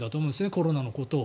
コロナのことを。